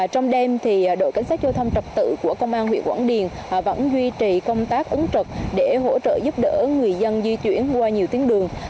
trong đêm đội cảnh sát giao thông trật tự của công an huyện quảng điền vẫn duy trì công tác ứng trực để hỗ trợ giúp đỡ người dân di chuyển qua nhiều tuyến đường